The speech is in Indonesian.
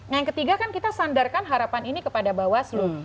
yang ketiga kan kita sandarkan harapan ini kepada bawaslu